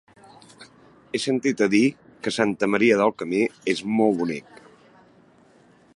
He sentit a dir que Santa Maria del Camí és molt bonic.